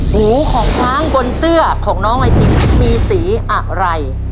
หูของช้างบนเสื้อของน้องไอติมมีสีอะไร